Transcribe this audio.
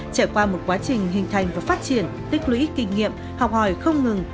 trải qua một quá trình hình thành và phát triển tích lũy kinh nghiệm học hỏi không ngừng